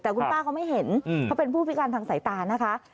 แต่คุณป้าเขาไม่เห็นเขาเป็นผู้พิการทางสายตานะคะ